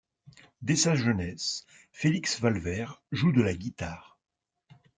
Dès sa jeunesse, Félix Valvert joue de la guitare.